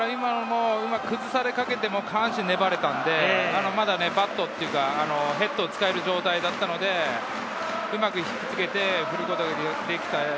崩されかけても下半身が粘れたので、バットのヘッドを使える状態だったので、うまく引きつけて振ることができた。